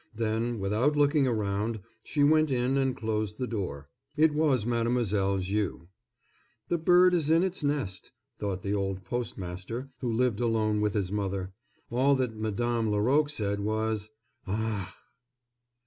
Then, without looking around, she went in and closed the door. It was Mademoiselle Viau. "The bird is in its nest," thought the old postmaster, who lived alone with his mother. All that Madame Laroque said was: "Ah!"